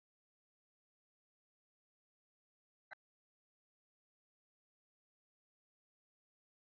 ขอบคุณครับ